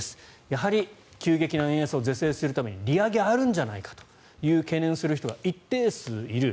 やはり急激な円安を是正するために利上げがあるんじゃないかと懸念する人が一定数いる。